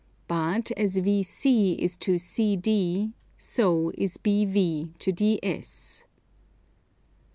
But as VC is to CD so is BV to DS.